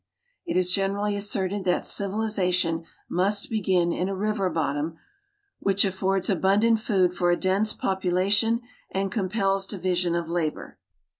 It is generally asserted that civilization must begin in a river bottom which affords abundant food for a dense population and compels division of labor.